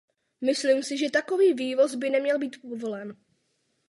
Myslím si, že takový vývoz by neměl být povolen.